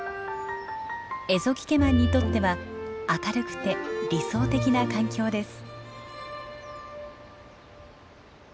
エゾキケマンにとっては明るくて理想的な環境です。